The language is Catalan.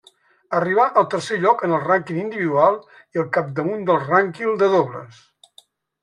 Arribà al tercer lloc en el rànquing individual i al capdamunt del rànquing de dobles.